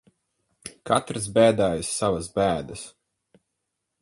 Katrs bēdājas savas bēdas.